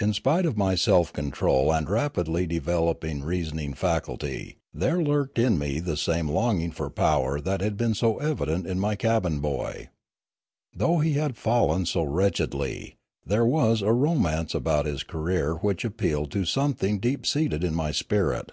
In spite of my self control and rapidly de veloping reasoning faculty, there lurked in me the same longing for power that had been so evident iti my cabin boy. Though he had fallen so wretchedly there was a romance about his career which appealed to some thing deep seated in my spirit.